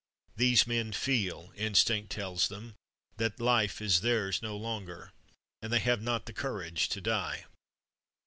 These men feel instinct tells them that life is theirs no longer, and they have not the courage to die!